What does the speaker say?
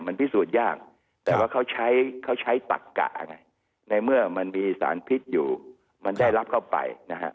มันพิสูจน์ยากแต่ว่าเขาใช้เขาใช้ตักกะไงในเมื่อมันมีสารพิษอยู่มันได้รับเข้าไปนะฮะ